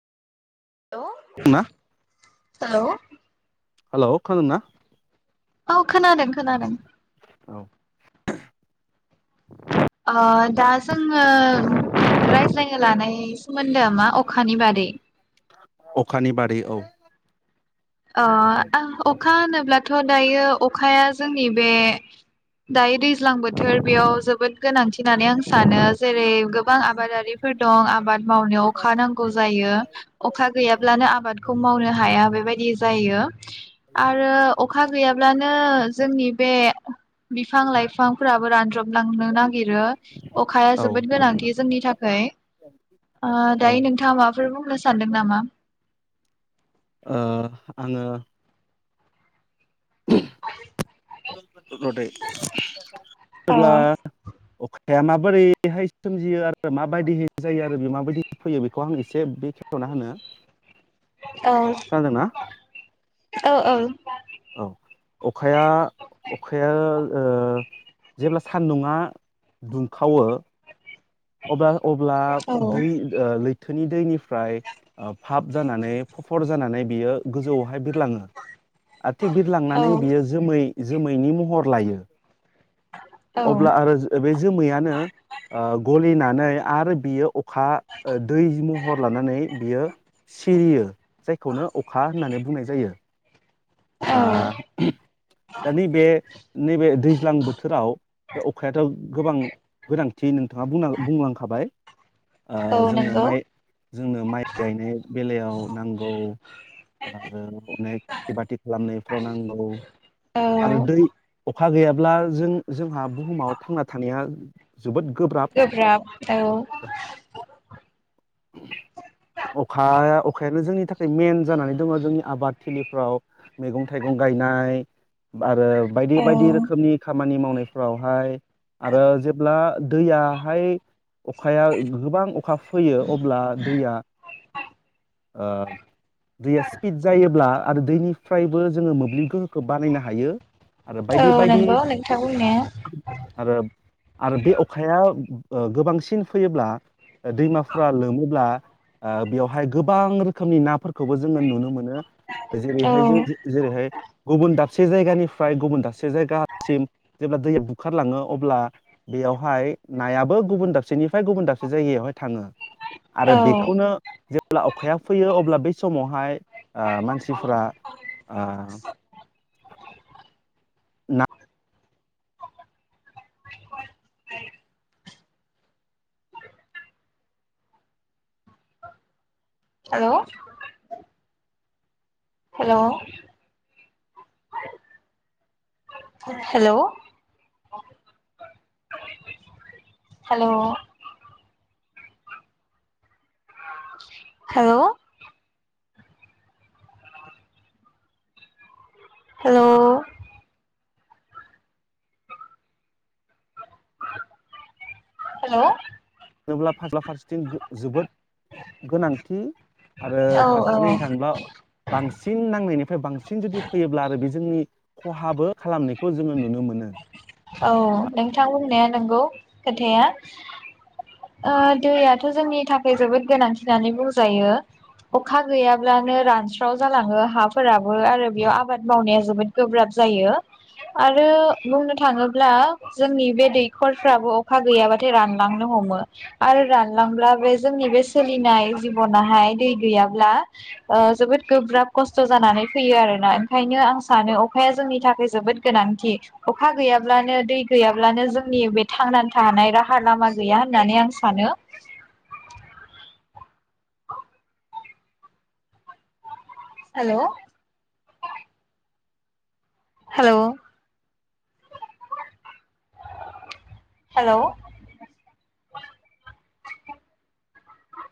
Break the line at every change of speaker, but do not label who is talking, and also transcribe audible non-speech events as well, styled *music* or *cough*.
hello
ना
hello
hello खोनादोंना
औ खोनादों खोनादों
औ
ओ दा जोङो रायज्लायनो लानाय सोमोन्दो मा अखानि बादै
अखानि बादै औ
अ आं अखा होनोब्लाथ' दायो अखाया जोंनि बे दायो दै दैज्लां बोथोर बेयाव जोबोद गोनांथि होननानै आं सानो जेरै गोबां आबादारिफोर दं आबाद मावनायाव अखा नांगौ जायो अखा गैयाब्लानो आबादखौ मावनो हाया बेबायदि यो आरो अखा गैयाब्लानो जोंनि बे बे बिफां लाइफांफोराबो रानज्रबलांनो नागिर नागिरो अखाया
औ
जोबोद गोनांथि जोंनि थाखाय ओ दायो नोंथाङा माबाफोर बुं सानदों नामा
ओ आङो
*unintelligible*
*inaudible* रदै बुं *inaudible*
औ
ब्ला अखा अखाया माबोरैहाय सोमजियो आरो माबायदि जायो आरो बे माबायदि फैयो बेखौ आं एसे बेखेवथिना होनो
औ
खोनादोंना
औ औ
अखाया अखाया ओ जेब्ला सान्दुंङा दुंखावो अब्ला अब्ला दै ओ लै थोनि दैनिफ्राय भाब जानानै फर जानानै बियो गोजौ बाहाय बिरलाङो थिग बिद
औ
लांनानै बियो जोमै जोमैनि महर लायो अब्ला आरो बे जोमैयानो ओ गलि आरो बियो अखा ओ दै महर लानानै बियो सिरियो जायखौनो अखा होननानै बुंनाय जायो जायो
औ
आ दा नैबे गोबां गोनांथि नोंथाङा बुंनां लांखाबाय ओ
औ
जोंनो
नंगौ
माइ जोंनो माइ गायनाय बेलायाव नांगौ आरो अनेक खेथि बाथि खालामनायफ्राव नांगौ
औ
आरो दै अखा गैयाब्ला जों जोंहा बुहुमाव थांना थानाया
गोब्राब औ
अखाया अखायानो जोंनि थाखाय मेन जानानै दङ जोंनि आबाद थिलि औ मैगं थाइगं गायनाय आरो बायदि
औ
बायदि रोखोमनि खामानि मावनाय फ्रावहाय आरो जेब्ला दैयाहाय अखाया गोबां हुखा फैयो अब्ला दैया ओ दैया स्पिड जायोब्ला आरो दैनि फ्रायबो जोङो मोब्लिब गोहो खौ बानायनो हायो आरो
औ
बायदि बायदि
नंगौ नोंथां बुंनाया
आरो आरो बे अखाया गोबांसिन फैयोब्ला दैमाफोरा लोमोब्ला ओ बेवहाय गोबां रोखोमनि नाफोरखौबो जोङो नुनो मोनो
औ
जेरैहाय गुबन दाबसे से जायगानिफ्राय गुबुन दाबसे जायगासिम जेब्ला दैया बुखारलाङो अब्ला बेयावहाय नायाबो गुबुन दाबसेनि फाय गुबुन दाबसे जायगायावहाय थाङो आरो
औ
बेखौनो जेब्ला अखाया फैयो अब्ला बै समावहाय मानसिफोरा ओम
hello hello hello hello hello hello hello
होनोब्ला फारसे फारसेथिं जोबोद गोनांथि आरो
औ
फारसेैनो थाङोब्ला बांसिन नांनायनिफ्राय बांसिन जुदि फैयोब्ला आरो बे जोंनि खहाबो खालामनायखौ जोङो नुनो मोनो
औ नोंथां बुंनाया नंगौ खोथाया दैयाथ' जोंनि थाखाय जोबोद गोनांथि होननानै बुंजायो अखा गैयाब्लानो रानस्राव जालाङो हाफोराबो आरो बेयाव आबाद मावनाया जोबोद गोब्राब जायो आरो बुंनो थां थाङोब्ला जोंनि बे दैखरफ्राबो अखा गैयाबाथाय रानलांनो हमो आरो रानलांब्ला बे जोंनि बे सोलिनाय जिबनाहाय दै गैयाब्ला जोबोद गोब्राब खस्थ' जानानै फैयो आरोना ओंखायनो आं सानो अखाया जोंनि थाखाय जोबोद गोनांथि अखा गैयाब्लानो दै गैयाब्लानो जोंनि बे थांनानै थानाय राहा लामा गैया होननानै आं सानो हेलौ हेलौ हेलौ